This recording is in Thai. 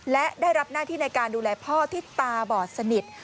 และได้รับหน้าที่ในการดูแลพ่อที่ตาบอดสนิท